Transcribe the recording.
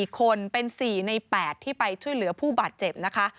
๔คนเป็น๔ใน๘ที่ไปช่วยเหลือผู้บาดเจ็บนะคะ